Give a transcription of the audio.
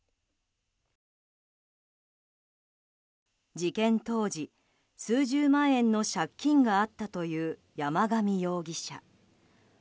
事件当時、数十万円の借金があったという山上容疑者。